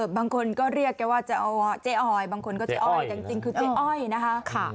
บางคนก็เรียกว่าจะเอาเจ๊ออยบางคนก็จะเอาเจ๊ออยจริงคือเจ๊ออยนะคะ